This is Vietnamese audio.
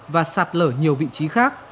và sạt lở nhiều vị trí khác